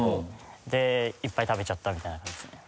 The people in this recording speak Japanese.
でいっぱい食べちゃったみたいな感じですね。